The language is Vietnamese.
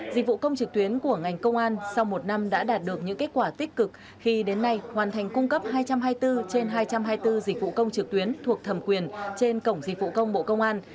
dịch vụ công trực tuyến của ngành công an sau một năm đã đạt được những kết quả tích cực khi đến nay hoàn thành cung cấp hai trăm hai mươi bốn trên hai trăm hai mươi bốn dịch vụ công trực tuyến thuộc thẩm quyền trên cổng dịch vụ công bộ công an